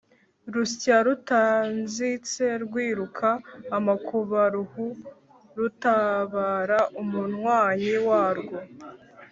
rusya rutanzitse rwiruka amakubaruhu rutabara umunywanyi warwo